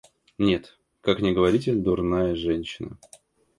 Нет, как ни говорите, дурная женщина.